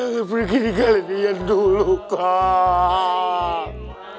jangan pergi nikahin iyan dulu kak